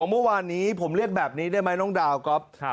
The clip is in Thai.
เมื่อวานนี้ผมเรียกแบบนี้ได้ไหมน้องดาวก๊อฟ